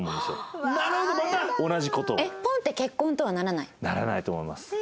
ああー！ならないと思います。